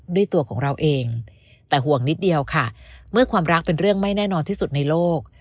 ด้วยตัวของเราเองแต่ห่วงนิดเดียวค่ะเมื่อความรักเป็นเรื่องไม่แน่นอนที่สุดในโลก